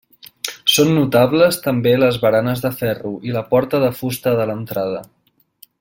Són notables també les baranes de ferro i la porta de fusta de l'entrada.